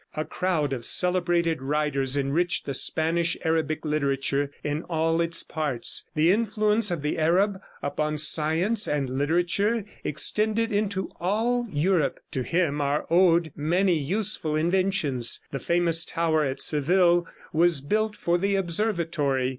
A crowd of celebrated writers enriched the Spanish Arabic literature in all its parts. The influence of the Arab upon science and literature extended into all Europe; to him are owed many useful inventions. The famous tower at Seville was built for the observatory.